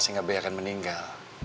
sehingga b akan meninggal